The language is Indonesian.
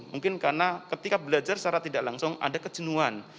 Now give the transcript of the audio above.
mungkin karena ketika belajar secara tidak langsung ada kejenuan